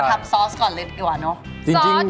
เรามาทำซอสก่อนเลยดีกว่าเนาะ